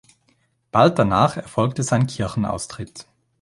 Bald danach erfolgte sein Kirchenaustritt.